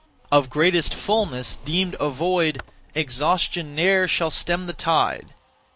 Of greatest fulness, deemed a void, Exhaustion ne'er shall stem the tide.